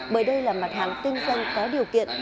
bởi đây là mặt hàng kinh doanh có điều kiện